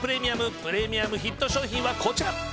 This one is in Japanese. プレミアムヒット商品はこちら。